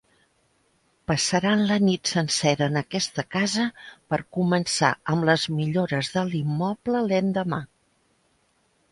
Passaran la nit sencera en aquesta casa per començar amb les millores de l'immoble l'endemà.